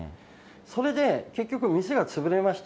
それで結局、店が潰れました、